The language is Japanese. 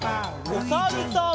おさるさん。